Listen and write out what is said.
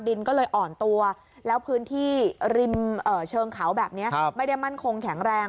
ดินก็เลยอ่อนตัวแล้วพื้นที่ริมเชิงเขาแบบนี้ไม่ได้มั่นคงแข็งแรง